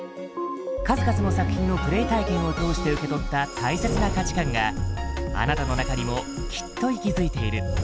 数々の作品のプレイ体験を通して受け取った大切な価値観があなたの中にもきっと息づいている。